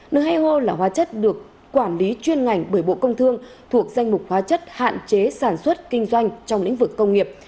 n hai o là hóa chất được quản lý chuyên ngành bởi bộ công thương thuộc danh mục hóa chất hạn chế sản xuất kinh doanh trong lĩnh vực công nghiệp